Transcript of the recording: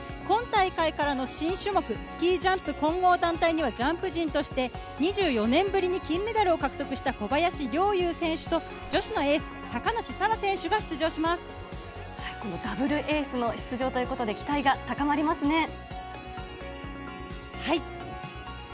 今大会からの新種目、スキージャンプ混合団体には、ジャンプ陣として、２４年ぶりに金メダルを獲得した小林陵侑選手と、女子のエース、高梨沙羅選手このダブルエースの出場ということで、期待が高まりますね。